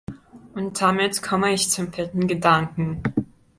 Und damit komme ich zum vierten Gedanken.